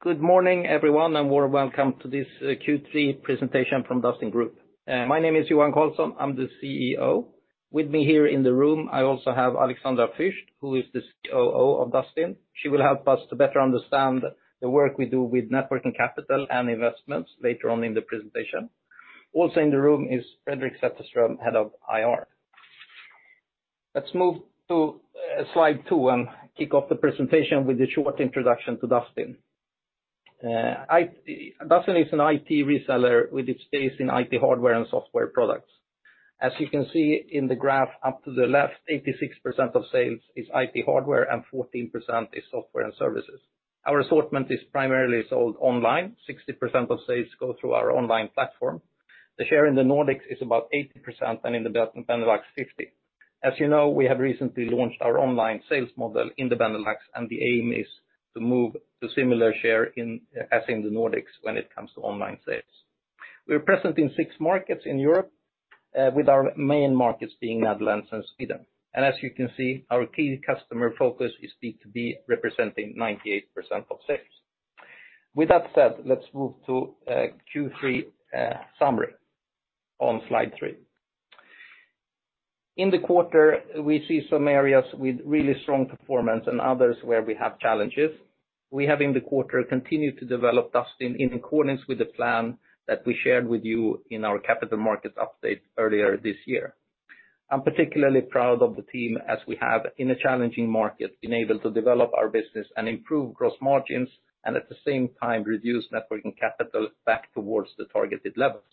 Good morning, everyone, and warm welcome to this Q3 presentation from Dustin Group. My name is Johan Karlsson, I'm the CEO. With me here in the room, I also have Alexandra Fürst, who is the COO of Dustin. She will help us to better understand the work we do with working capital and investments later on in the presentation. Also, in the room is Fredrik Sätterström, Head of IR. Let's move to slide 2, kick off the presentation with a short introduction to Dustin. Dustin is an IT reseller with its base in IT hardware and software products. As you can see in the graph up to the left, 86% of sales is IT hardware, 14% is software and services. Our assortment is primarily sold online. 60% of sales go through our online platform. The share in the Nordics is about 80%, and in the Benelux, 50%. As you know, we have recently launched our online sales model in the Benelux, and the aim is to move to similar share as in the Nordics when it comes to online sales. We're present in six markets in Europe, with our main markets being the Netherlands and Sweden. As you can see, our key customer focus is B2B, representing 98% of sales. With that said, let's move to Q3 summary on slide 3. In the quarter, we see some areas with really strong performance and others where we have challenges. We have, in the quarter, continued to develop Dustin in accordance with the plan that we shared with you in our capital markets update earlier this year. I'm particularly proud of the team as we have, in a challenging market, been able to develop our business and improve gross margins. At the same time, reduce working capital back towards the targeted levels.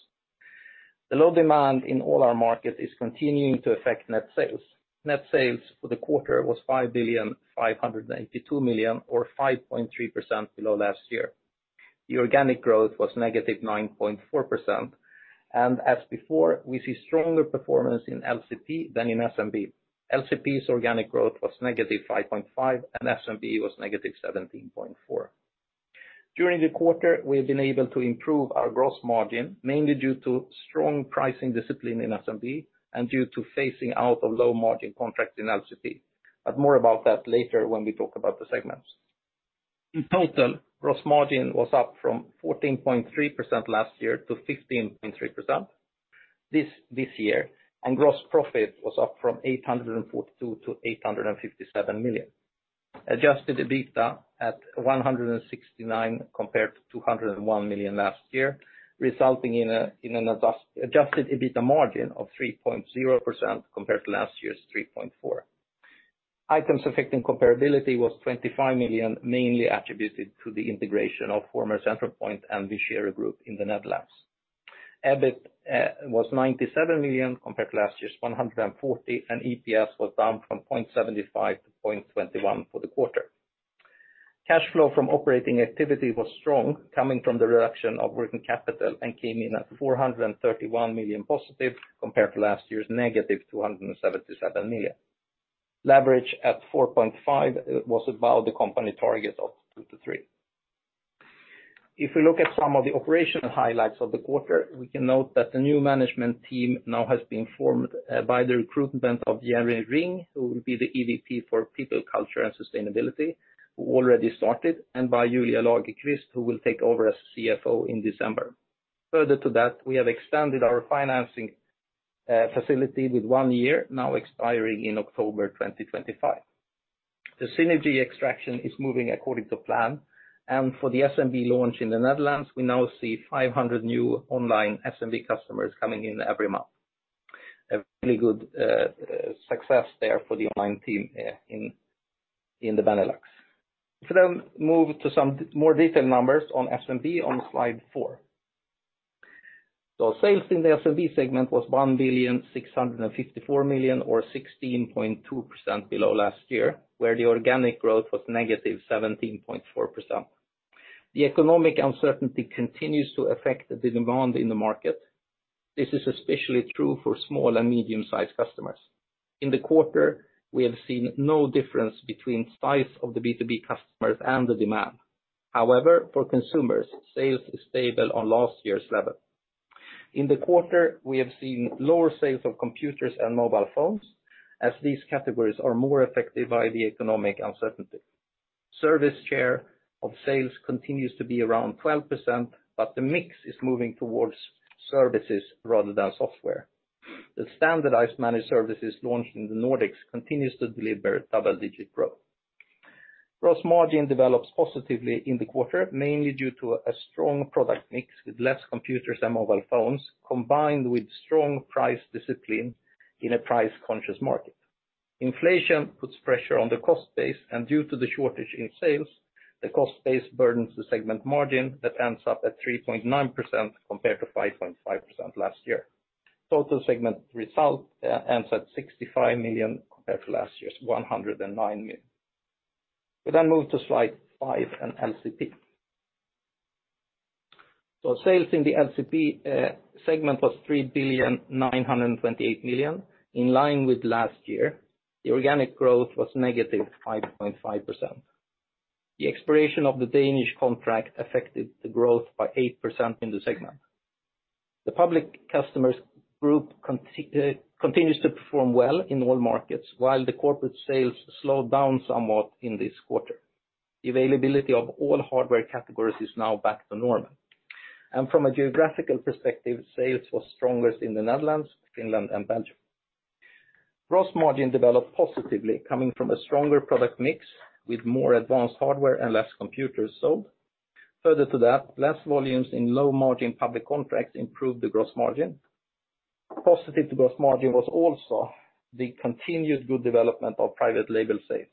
The low demand in all our markets is continuing to affect net sales. Net sales for the quarter was 5,582 million, or 5.3% below last year. The organic growth was negative 9.4%. As before, we see stronger performance in LCP than in SMB. LCP's organic growth was negative 5.5%, SMB was negative 17.4%. During the quarter, we've been able to improve our gross margin, mainly due to strong pricing discipline in SMB, due to phasing out of low-margin contracts in LCP. More about that later when we talk about the segments. In total, gross margin was up from 14.3% last year to 15.3% this year. Adjusted EBITDA at 169 million, compared to 201 million last year, resulting in an adjusted EBITDA margin of 3.0% compared to last year's 3.4%. Items affecting comparability was 25 million, mainly attributed to the integration of former Centralpoint and Vincere Groep in the Netherlands. EBIT was 97 million, compared to last year's 140 million. EPS was down from 0.75 to 0.21 for the quarter. Cash flow from operating activity was strong, coming from the reduction of working capital, and came in at 431 million positive, compared to last year's negative 277 million. Leverage at 4.5x, it was about the company target of 2-3. If we look at some of the operational highlights of the quarter, we can note that the new management team now has been formed by the recruitment of Jenny Ring, who will be the EVP for people, culture, and sustainability, who already started, and by Julia Lagerqvist, who will take over as CFO in December. Further to that, we have extended our financing facility with 1 year, now expiring in October 2025. The synergy extraction is moving according to plan, for the SMB launch in the Netherlands, we now see 500 new online SMB customers coming in every month. A really good success there for the online team in the Benelux. We move to some more detailed numbers on SMB on slide 4. Sales in the SMB segment was 1,654 million, or 16.2% below last year, where the organic growth was negative 17.4%. The economic uncertainty continues to affect the demand in the market. This is especially true for small and medium-sized customers. In the quarter, we have seen no difference between size of the B2B customers and the demand. However, for consumers, sales is stable on last year's level. In the quarter, we have seen lower sales of computers and mobile phones, as these categories are more affected by the economic uncertainty. Service share of sales continues to be around 12%, but the mix is moving towards services rather than software. The standardized managed services launched in the Nordics continues to deliver double-digit growth. Gross margin develops positively in the quarter, mainly due to a strong product mix with less computers and mobile phones, combined with strong price discipline in a price-conscious market. Inflation puts pressure on the cost base. Due to the shortage in sales, the cost base burdens the segment margin that ends up at 3.9% compared to 5.5% last year. Total segment result ends at 65 million, compared to last year's 109 million. We move to slide 5 and LCP. Sales in the LCP segment was 3,928 million, in line with last year. The organic growth was negative 5.5%. The expiration of the Danish contract affected the growth by 8% in the segment. The public customers group continues to perform well in all markets, while the corporate sales slowed down somewhat in this quarter. Availability of all hardware categories is now back to normal. From a geographical perspective, sales was strongest in the Netherlands, Finland, and Belgium. Gross margin developed positively, coming from a stronger product mix, with more advanced hardware and less computers sold. Further to that, less volumes in low-margin public contracts improved the gross margin. Positive to gross margin was also the continued good development of private label sales.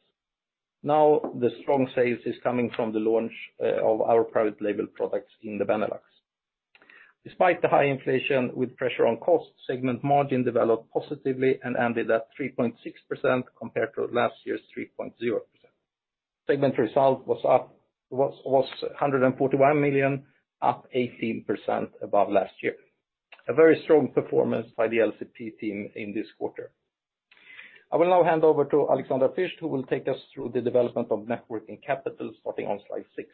The strong sales is coming from the launch of our private label products in the Benelux. Despite the high inflation with pressure on cost, segment margin developed positively and ended at 3.6% compared to last year's 3.0%. Segment result was up 141 million, up 18% above last year. A very strong performance by the LCP team in this quarter. I will now hand over to Alexandra Fürst, who will take us through the development of working capital, starting on slide 6.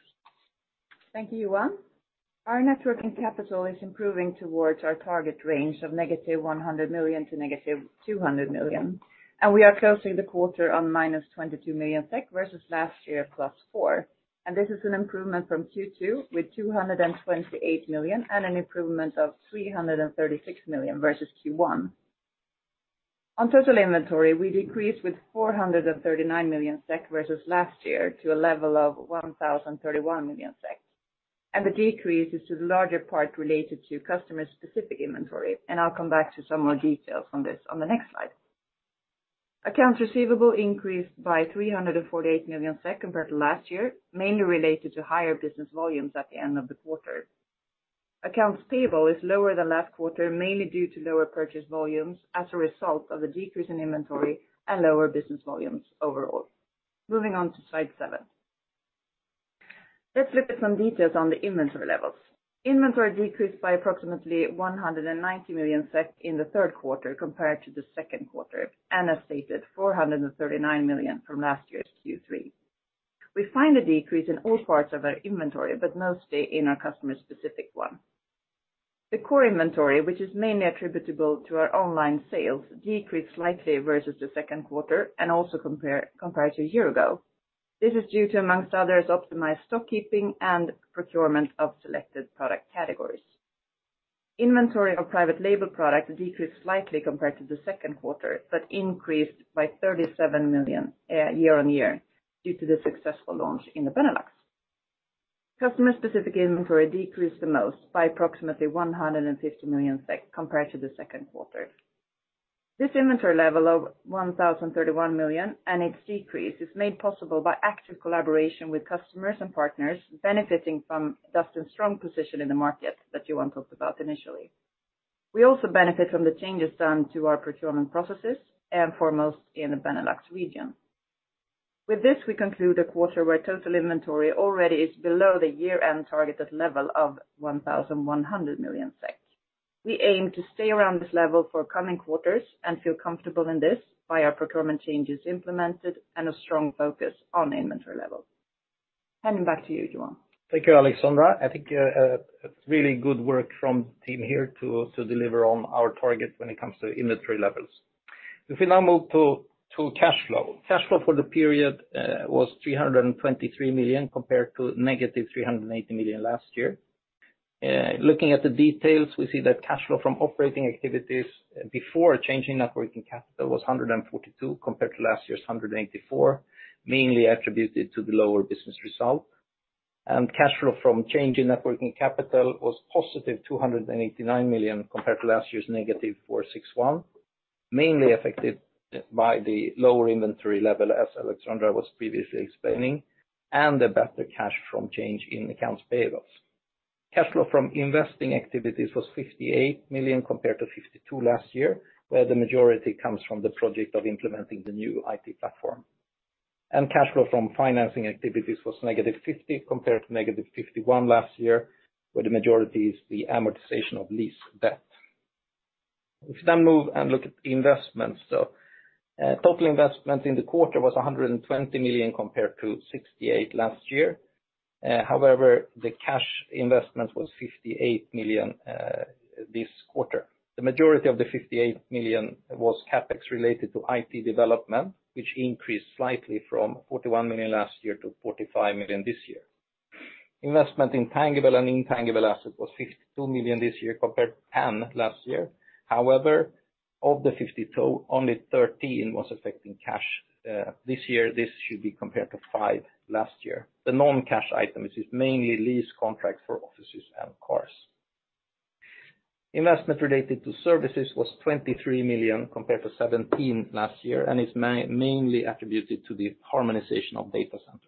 Thank you, Johan. Our working capital is improving towards our target range of negative 100 million to negative 200 million. We are closing the quarter on minus 22 million SEK, versus last year, plus 4 million. This is an improvement from Q2, with 228 million, an improvement of 336 million, versus Q1. On total inventory, we decreased with 439 million SEK versus last year, to a level of 1,031 million SEK. The decrease is to the larger part related to customer-specific inventory, I'll come back to some more details on this on the next slide. Accounts receivable increased by 348 million SEK compared to last year, mainly related to higher business volumes at the end of the quarter. Accounts payable is lower than last quarter, mainly due to lower purchase volumes as a result of a decrease in inventory and lower business volumes overall. Moving on to slide 7. Let's look at some details on the inventory levels. Inventory decreased by approximately 190 million in the 3rd quarter compared to the 2nd quarter, and as stated, 439 million from last year's Q3. We find a decrease in all parts of our inventory, but mostly in our customer-specific one. The core inventory, which is mainly attributable to our online sales, decreased slightly versus the 2nd quarter, and also compared to a year ago. This is due to, among others, optimized stock keeping and procurement of selected product categories. Inventory of private label product decreased slightly compared to the second quarter, but increased by 37 million year-on-year, due to the successful launch in the Benelux. Customer-specific inventory decreased the most by approximately 150 million SEK compared to the second quarter. This inventory level of 1,031 million and its decrease is made possible by active collaboration with customers and partners, benefiting from Dustin's strong position in the market that Johan talked about initially. We also benefit from the changes done to our procurement processes, and foremost in the Benelux region. With this, we conclude a quarter where total inventory already is below the year-end targeted level of 1,100 million SEK. We aim to stay around this level for coming quarters and feel comfortable in this by our procurement changes implemented and a strong focus on inventory level. Handing back to you, Johan. Thank you, Alexandra. I think it's really good work from the team here to deliver on our target when it comes to inventory levels. If we now move to cash flow. Cash flow for the period was 323 million, compared to negative 380 million last year. Looking at the details, we see that cash flow from operating activities before changing working capital was 142 million, compared to last year's 184 million, mainly attributed to the lower business result. Cash flow from change in working capital was positive 289 million, compared to last year's negative 461 million, mainly affected by the lower inventory level, as Alexandra was previously explaining, and the better cash from change in accounts payables. Cash flow from investing activities was 58 million compared to 52 million last year, where the majority comes from the project of implementing the new One IT platform. Cash flow from financing activities was negative 50 million compared to negative 51 million last year, where the majority is the amortization of lease debt. Look at the investments. Total investment in the quarter was 120 million compared to 68 million last year. However, the cash investment was 58 million this quarter. The majority of the 58 million was CapEx related to IT development, which increased slightly from 41 million last year to 45 million this year. Investment in tangible and intangible asset was 52 million this year, compared to 10 million last year. However, of the 52 million, only 13 million was affecting cash this year. This should be compared to 5 million last year. The non-cash item, which is mainly lease contracts for offices and cars. Investment related to services was 23 million, compared to 17 million last year. It's mainly attributed to the harmonization of data centers.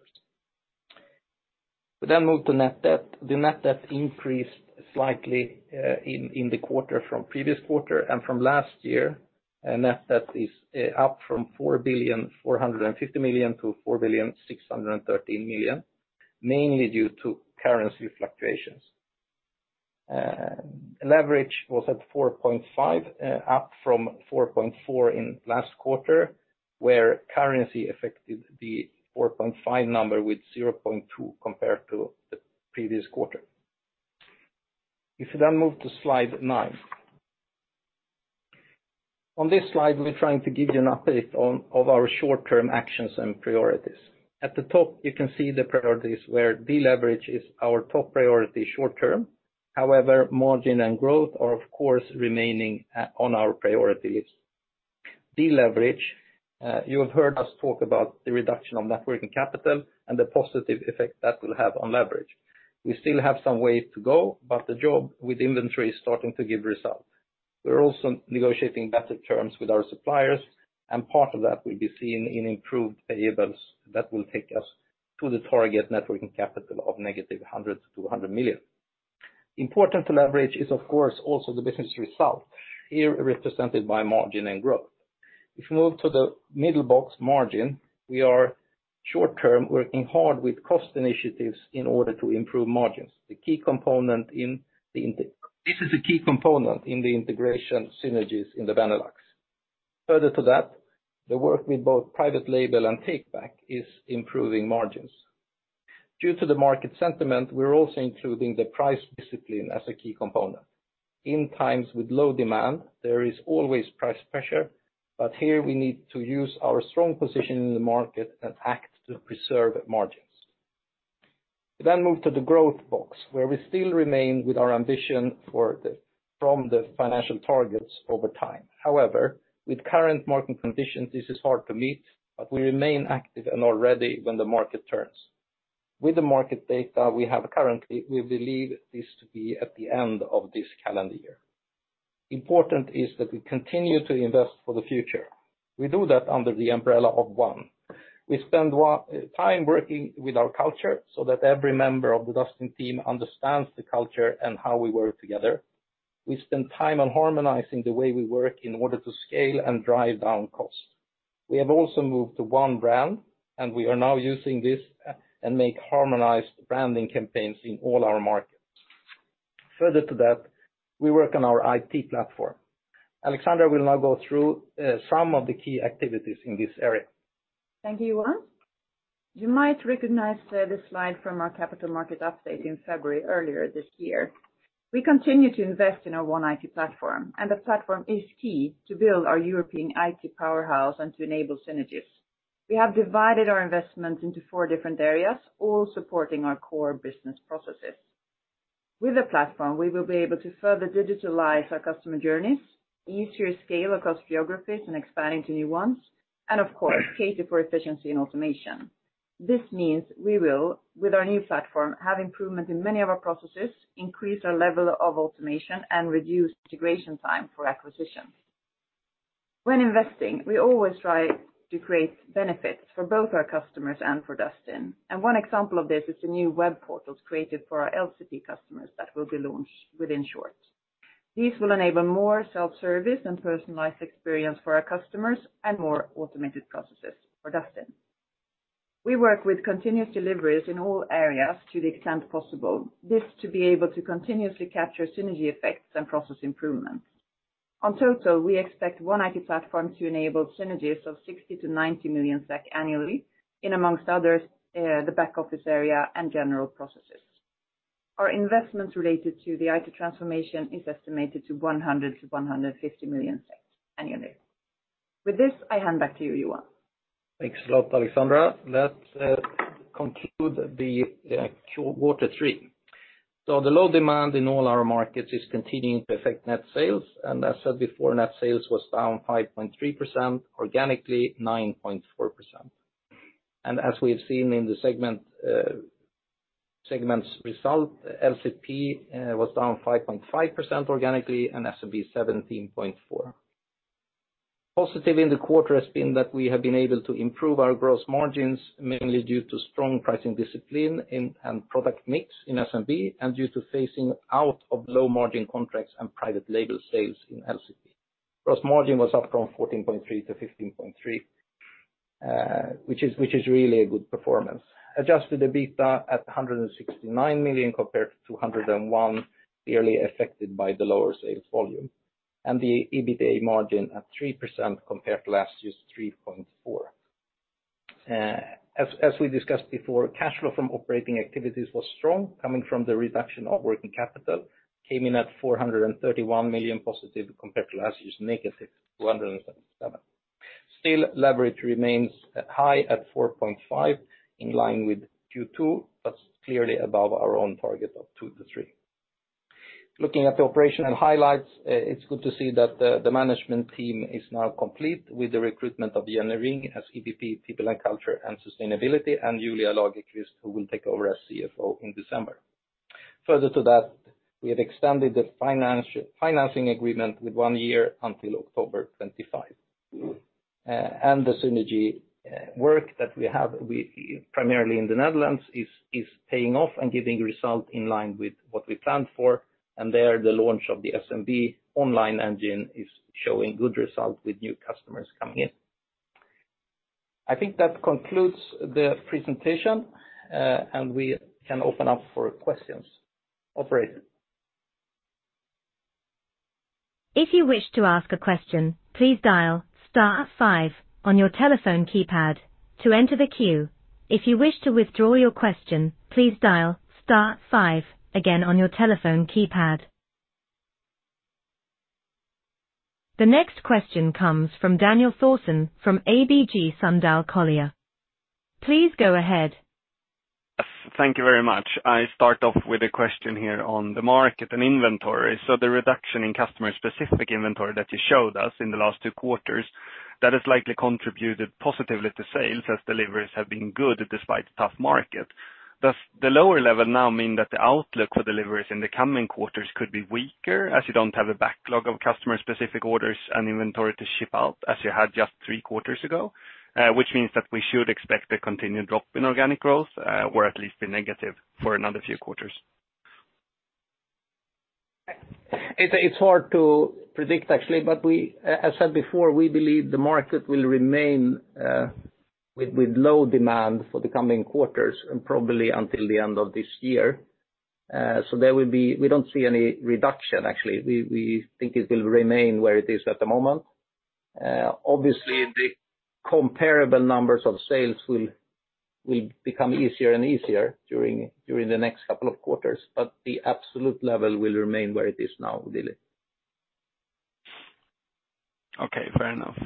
We move to net debt. The net debt increased slightly in the quarter from previous quarter and from last year. Net debt is up from 4,450 million to 4,613 million, mainly due to currency fluctuations. Leverage was at 4.5x up from 4.4x in last quarter. Currency affected the 4.5x number with 0.2 compared to the previous quarter. If you move to slide 9. On this slide, we're trying to give you an update of our short-term actions and priorities. At the top, you can see the priorities where deleverage is our top priority short term. However, margin and growth are, of course, remaining on our priorities. Deleverage, you have heard us talk about the reduction of net working capital and the positive effect that will have on leverage. We still have some way to go, but the job with inventory is starting to give results. We're also negotiating better terms with our suppliers, and part of that will be seen in improved payables that will take us to the target net working capital of negative 100 million to 200 million. Important to leverage is, of course, also the business result, here represented by margin and growth. If you move to the middle box margin, we are short term, working hard with cost initiatives in order to improve margins. This is a key component in the integration synergies in the Benelux. Further to that, the work with both private label and takeback is improving margins. Due to the market sentiment, we're also including the price discipline as a key component. In times with low demand, there is always price pressure, but here we need to use our strong position in the market and act to preserve margins. We then move to the growth box, where we still remain with our ambition for the from the financial targets over time. With current market conditions, this is hard to meet, but we remain active and are ready when the market turns. With the market data we have currently, we believe this to be at the end of this calendar year. Important is that we continue to invest for the future. We do that under the umbrella of one. We spend one time working with our culture so that every member of the Dustin team understands the culture and how we work together. We spend time on harmonizing the way we work in order to scale and drive down costs. We have also moved to one brand, and we are now using this and make harmonized branding campaigns in all our markets. Further to that, we work on our IT platform. Alexandra will now go through some of the key activities in this area. Thank you, Johan. You might recognize this slide from our capital markets update in February earlier this year. We continue to invest in our One IT platform. The platform is key to build our European IT powerhouse and to enable synergies. We have divided our investment into four different areas, all supporting our core business processes. With the platform, we will be able to further digitalize our customer journeys, easier scale across geographies and expanding to new ones, and of course, cater for efficiency and automation. This means we will, with our new platform, have improvement in many of our processes, increase our level of automation, and reduce integration time for acquisitions. When investing, we always try to create benefits for both our customers and for Dustin. One example of this is the new web portals created for our LCP customers that will be launched shortly. These will enable more self-service and personalized experience for our customers and more automated processes for Dustin. We work with continuous deliveries in all areas to the extent possible, this to be able to continuously capture synergy effects and process improvement. On total, we expect One IT platform to enable synergies of 60 million-90 million SEK annually, in amongst others, the back office area and general processes. Our investments related to the IT transformation is estimated to 100 million-150 million annually. With this, I hand back to you, Johan. Thanks a lot, Alexandra. Let's conclude the quarter three. The low demand in all our markets is continuing to affect net sales. As said before, net sales was down 5.3%, organically, 9.4%. As we've seen in the segment's result, LCP was down 5.5% organically, and SMB 17.4%. Positive in the quarter has been that we have been able to improve our gross margins, mainly due to strong pricing discipline in, and product mix in SMB, and due to phasing out of low margin contracts and private label sales in LCP. Gross margin was up from 14.3% to 15.3%, which is really a good performance. Adjusted EBITDA at 169 million compared to 201 million, clearly affected by the lower sales volume. The EBITA margin at 3% compared to last year's 3.4%. As we discussed before, cash flow from operating activities was strong, coming from the reduction of working capital, came in at 431 million positive compared to last year's negative 277 million. Leverage remains at a high 4.5x, in line with Q2, clearly above our own target of 2x-3x. Looking at the operational highlights, it's good to see that the management team is now complete with the recruitment of Jenny Ring as EVP, People, Culture and Sustainability, and Julia Lagerqvist, who will take over as CFO in December. Further to that, we have extended the financing agreement with one year until October 2025. The synergy work that we have primarily in the Netherlands is paying off and giving results in line with what we planned for. There, the launch of the SMB online engine is showing good results with new customers coming in. I think that concludes the presentation, we can open up for questions. Operator? If you wish to ask a question, please dial star five on your telephone keypad to enter the queue. If you wish to withdraw your question, please dial star five again on your telephone keypad. The next question comes from Daniel Thorsson from ABG Sundal Collier. Please go ahead. Thank you very much. I start off with a question here on the market and inventory. The reduction in customer-specific inventory that you showed us in the last two quarters, that has likely contributed positively to sales as deliveries have been good despite the tough market. Does the lower level now mean that the outlook for deliveries in the coming quarters could be weaker as you don't have a backlog of customer-specific orders and inventory to ship out as you had just three quarters ago? which means that we should expect a continued drop in organic growth, or at least be negative for another few quarters. It's hard to predict, actually, but as said before, we believe the market will remain with low demand for the coming quarters and probably until the end of this year. We don't see any reduction, actually. We think it will remain where it is at the moment. Obviously, the comparable numbers of sales will become easier and easier during the next couple of quarters, but the absolute level will remain where it is now, really. Okay, fair enough.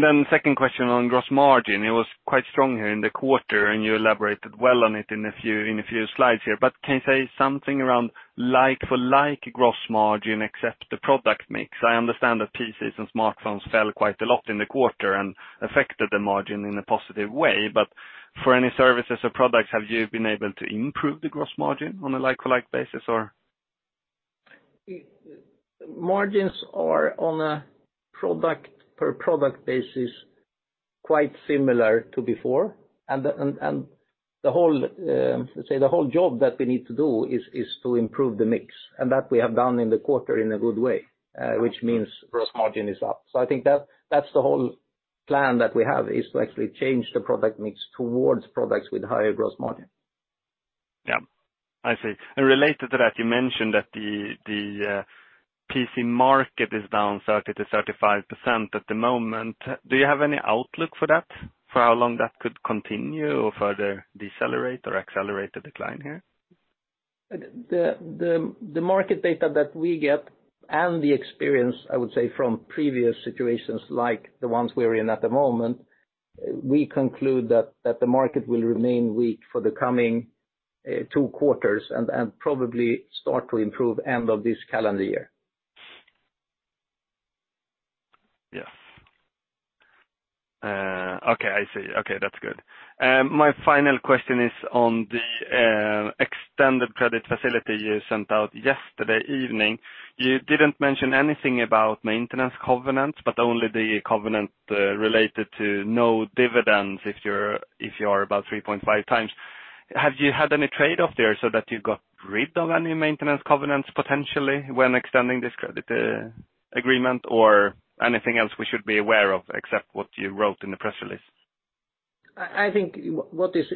The second question on gross margin. It was quite strong here in the quarter, and you elaborated well on it in a few, in a few slides here, but can you say something around like-for-like gross margin, except the product mix? I understand that PCs and smartphones fell quite a lot in the quarter and affected the margin in a positive way, but for any services or products, have you been able to improve the gross margin on a like-for-like basis, or? Margins are on a product per product basis, quite similar to before, and the whole, let's say, the whole job that we need to do is to improve the mix, and that we have done in the quarter in a good way, which means gross margin is up. I think that's the whole plan that we have, is to actually change the product mix towards products with higher gross margin. Yeah, I see. Related to that, you mentioned that the PC market is down 30% to 35% at the moment. Do you have any outlook for that? For how long that could continue or further decelerate or accelerate the decline here? The market data that we get and the experience, I would say, from previous situations like the ones we're in at the moment, we conclude that the market will remain weak for the coming two quarters and probably start to improve end of this calendar year. Yes. Okay, I see. Okay, that's good. My final question is on the extended credit facility you sent out yesterday evening. You didn't mention anything about maintenance covenants, but only the covenant related to no dividends if you are about 3.5 times. Have you had any trade-off there so that you got rid of any maintenance covenants, potentially, when extending this credit agreement or anything else we should be aware of except what you wrote in the press release? I think what is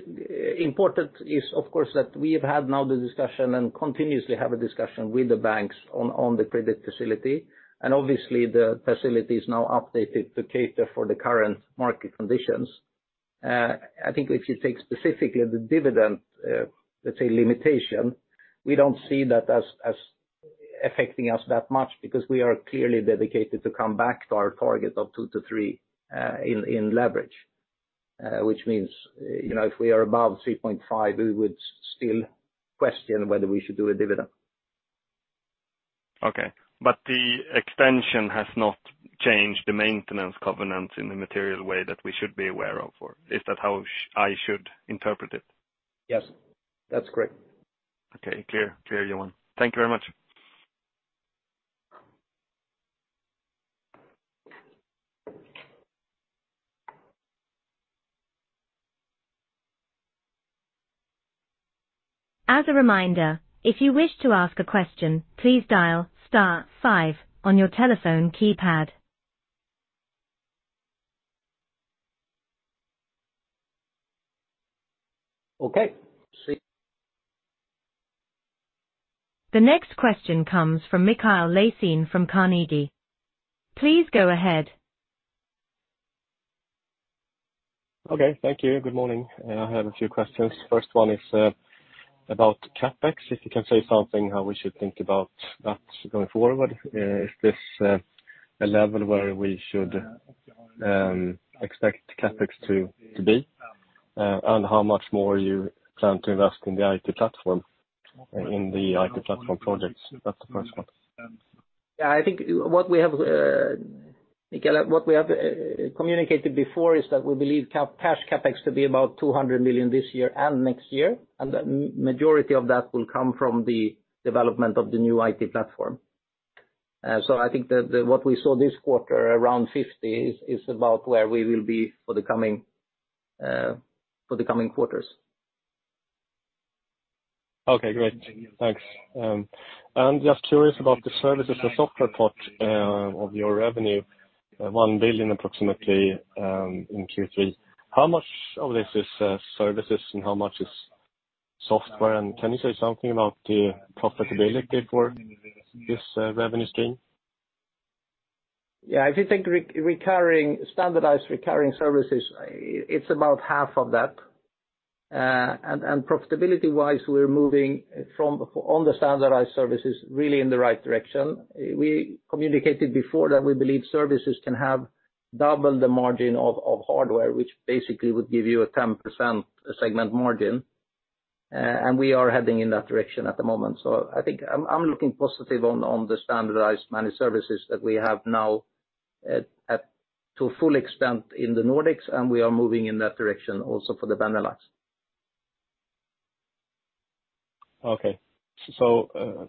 important is, of course, that we have had now the discussion and continuously have a discussion with the banks on the credit facility. Obviously, the facility is now updated to cater for the current market conditions. I think if you take specifically the dividend, let's say, limitation, we don't see that as affecting us that much because we are clearly dedicated to come back to our target of 2 to 3 in leverage. Which means, you know, if we are above 3.5, we would still question whether we should do a dividend. Okay. The extension has not changed the maintenance covenants in a material way that we should be aware of, or is that how I should interpret it? Yes, that's correct. Okay, clear. Clear, Johan. Thank you very much. As a reminder, if you wish to ask a question, please dial star five on your telephone keypad. Okay, see. The next question comes from Mikael Laséen from Carnegie. Please go ahead. Okay, thank you. Good morning. I have a few questions. First one is about CapEx. If you can say something, how we should think about that going forward. Is this a level where we should expect CapEx to be? How much more you plan to invest in the IT platform projects? That's the first one. Yeah, I think what we have, Mikael, what we have, communicated before is that we believe cash CapEx to be about 200 million this year and next year, and the majority of that will come from the development of the new IT platform. I think that, what we saw this quarter, around 50, is about where we will be for the coming, for the coming quarters. Okay, great. Thanks. I'm just curious about the services and software part of your revenue, 1 billion, approximately, in Q3. How much of this is services and how much is software, and can you say something about the profitability for this revenue stream? Yeah, if you think re-recurring, standardized recurring services, it's about half of that. And profitability-wise, we're moving from, on the standardized services, really in the right direction. We communicated before that we believe services can have double the margin of hardware, which basically would give you a 10% segment margin, and we are heading in that direction at the moment. I think I'm looking positive on the standardized managed services that we have now at to full extent in the Nordics, and we are moving in that direction also for the Benelux. Okay.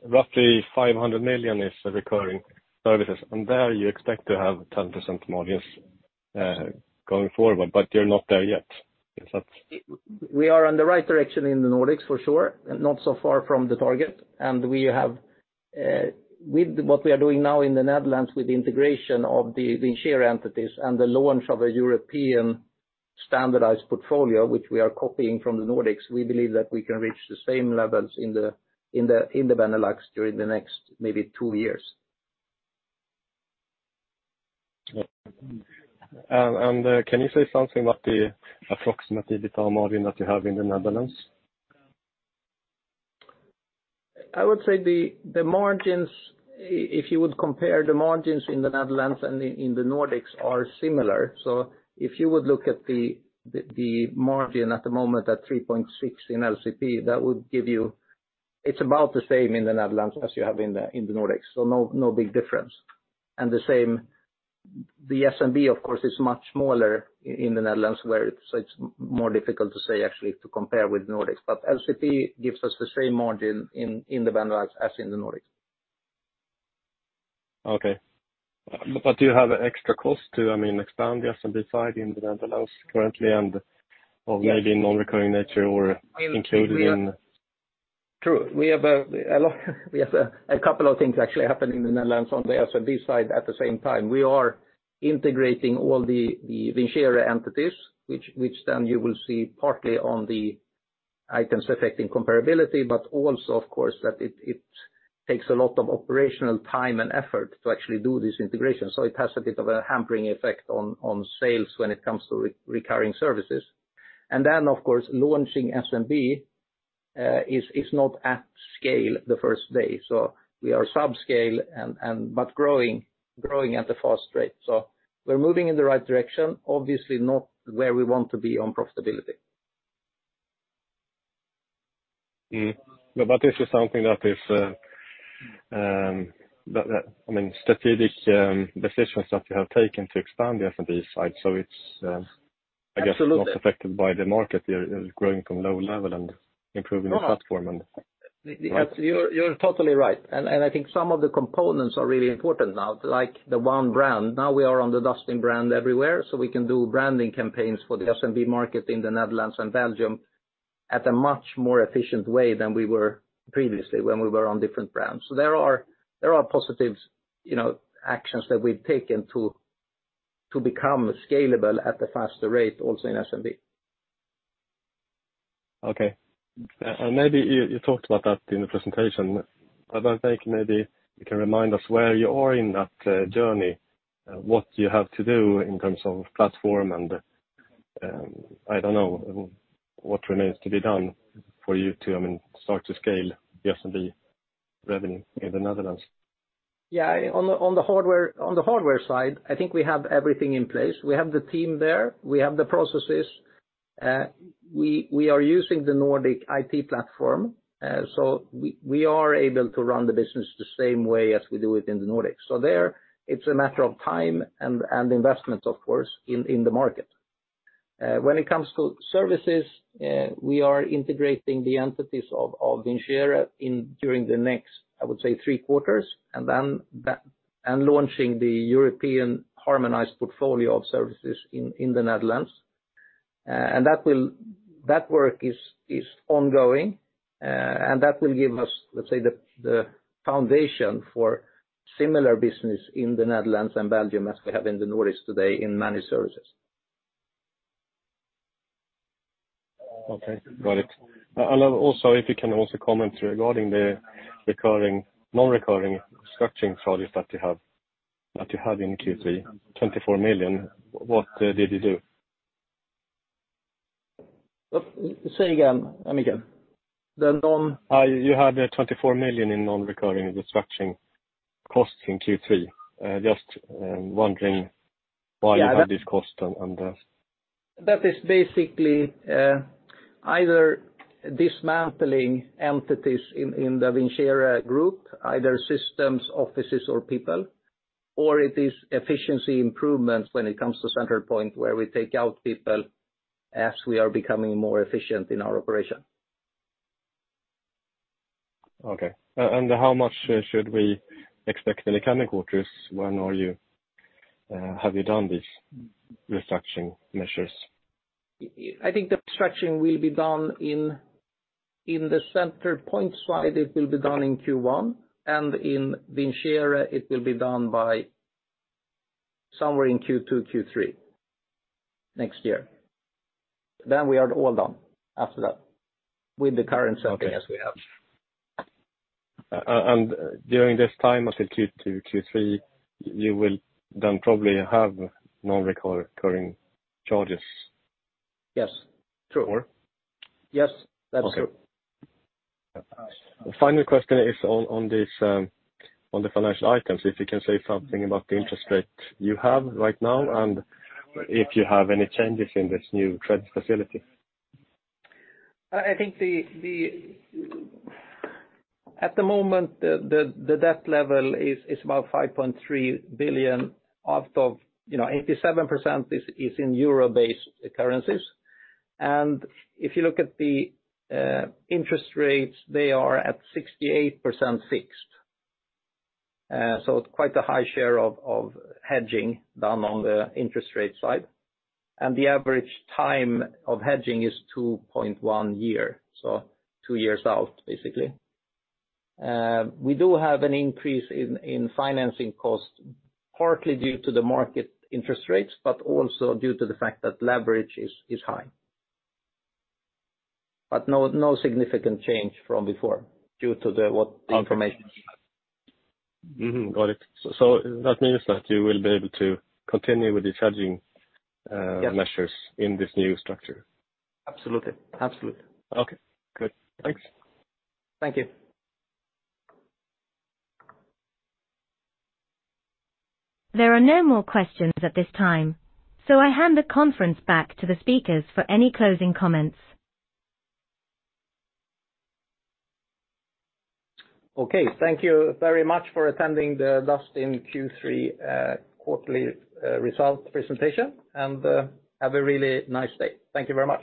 Roughly 500 million is the recurring services. There you expect to have 10% margins going forward. You're not there yet. We are on the right direction in the Nordics, for sure, and not so far from the target. We have with what we are doing now in the Netherlands, with the integration of the share entities and the launch of a European standardized portfolio, which we are copying from the Nordics, we believe that we can reach the same levels in the Benelux during the next maybe two years. Can you say something about the approximate EBITDA margin that you have in the Netherlands? I would say the margins, if you would compare the margins in the Netherlands and in the Nordics, are similar. If you would look at the margin at the moment at 3.6% in LCP, it's about the same in the Netherlands as you have in the Nordics, no big difference. The same, the SMB, of course, is much smaller in the Netherlands, so it's more difficult to say, actually, to compare with Nordics. LCP gives us the same margin in the Benelux as in the Nordics. Okay. Do you have extra cost to, I mean, expand the SMB side in the Netherlands currently, and, or maybe non-recurring nature or included in? True. We have a lot, we have a couple of things actually happening in the Netherlands on the SMB side at the same time. We are integrating all the Vincere entities, which then you will see partly on the items affecting comparability, but also, of course, that it takes a lot of operational time and effort to actually do this integration. It has a bit of a hampering effect on sales when it comes to re-recurring services. Of course, launching SMB is not at scale the first day, so we are subscale but growing at a fast rate. We're moving in the right direction, obviously not where we want to be on profitability. This is something that is, I mean, strategic, decisions that you have taken to expand the SMB side. It's. Absolutely. I guess, not affected by the market. You're growing from low level and improving the platform. You're totally right. I think some of the components are really important now, like the one brand. Now we are on the Dustin brand everywhere, so we can do branding campaigns for the SMB market in the Netherlands and Belgium at a much more efficient way than we were previously when we were on different brands. There are positives, you know, actions that we've taken to become scalable at a faster rate also in SMB. Okay. maybe you talked about that in the presentation, but I think maybe you can remind us where you are in that journey, what you have to do in terms of platform and, I don't know, what remains to be done for you to, I mean, start to scale the SMB revenue in the Netherlands. Yeah. On the hardware side, I think we have everything in place. We have the team there, we have the processes, we are using the Nordic IT platform, we are able to run the business the same way as we do it in the Nordics. There, it's a matter of time and investment, of course, in the market. When it comes to services, we are integrating the entities of Vincere during the next, I would say, 3 quarters, launching the European harmonized portfolio of services in the Netherlands. That work is ongoing, that will give us, let's say, the foundation for similar business in the Netherlands and Belgium as we have in the Nordics today in managed services. Okay, got it. I would also, if you can also comment regarding the recurring, non-recurring structuring charges that you had in Q3, 24 million. What did you do? Say again, Mikael? The non. You had 24 million in non-recurring restructuring costs in Q3. Just wondering why you had this cost and. That is basically, either dismantling entities in the Vincere Groep, either systems, offices, or people, or it is efficiency improvements when it comes to Centralpoint, where we take out people as we are becoming more efficient in our operation. Okay. How much should we expect in the coming quarters? When are you, have you done these restructuring measures? I think the restructuring will be done in the Centralpoint-wide, it will be done in Q1, and in Vincere, it will be done somewhere in Q2, Q3, next year. We are all done after that, with the current setting as we have. During this time, as in Q2, Q3, you will then probably have non-recurring charges? Yes, true. Or? Yes, that's true. Okay. Final question is on this, on the financial items, if you can say something about the interest rate you have right now, and if you have any changes in this new credit facility? I think the debt level is about 5.3 billion, out of, you know, 87% is in euro-based currencies. If you look at the interest rates, they are at 68% fixed. It's quite a high share of hedging done on the interest rate side. The average time of hedging is 2.1 years, so 2 years out, basically. We do have an increase in financing costs, partly due to the market interest rates, but also due to the fact that leverage is high. No significant change from before, due to what information we have. Got it. That means that you will be able to continue with the hedging. Yes. measures in this new structure? Absolutely. Absolutely. Okay, good. Thanks. Thank you. There are no more questions at this time. I hand the conference back to the speakers for any closing comments. Okay, thank you very much for attending the Dustin Q3, quarterly, result presentation, and, have a really nice day. Thank you very much!